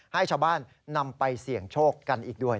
ให้ชาวบ้านนำไปเสี่ยงโชคกันอีกด้วย